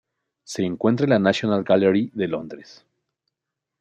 Se encuentra en la National Gallery de Londres.